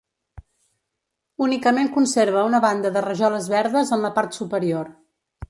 Únicament conserva una banda de rajoles verdes en la part superior.